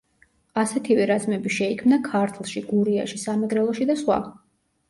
ასეთივე რაზმები შეიქმნა ქართლში, გურიაში, სამეგრელოში და სხვა.